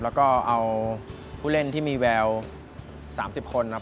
แล้วก็เอาผู้เล่นที่มีแวว๓๐คนนะครับ